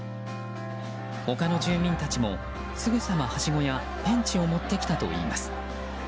他の住民たちも、すぐさまはしごやペンチを持ってきたといいます。